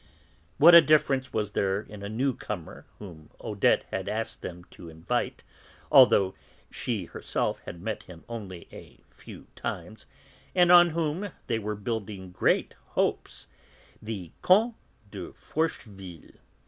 What a difference was there in a 'newcomer' whom Odette had asked them to invite, although she herself had met him only a few times, and on whom they were building great hopes the Comte de Forcheville!